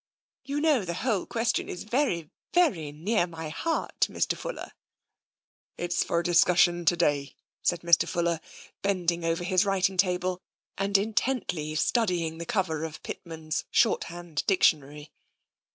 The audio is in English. You know the whole question is very, very near my heart, Mr. Fuller/* " It's for discussion to day/' said Mr. Fuller, bend ing over his writing table and intently studying the cover of Pitman's Shorthand Dictionary.